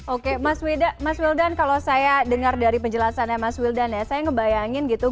oke mas wildan kalau saya dengar dari penjelasannya mas wildan ya saya ngebayangin gitu